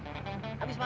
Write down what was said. abis makan petai ya